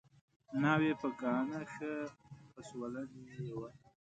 ناوې په ګاڼه ښه پسوللې وه